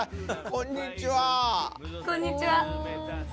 こんにちは！